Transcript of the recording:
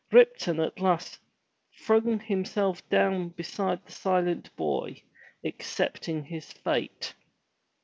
Ripton at last jfliung himself down beside the silent boy, accepting his fate.